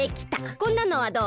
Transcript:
こんなのはどう？